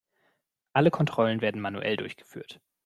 Alle Kontrollen werden manuell durchgeführt.